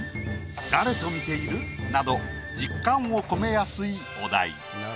誰と見ている？など実感を込めやすいお題。